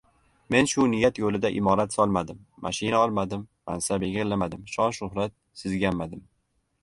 Men shu niyat yo‘lida imorat solmadim, mashina olmadim, mansab egallamadim, shon- shuhrat sizganmadim.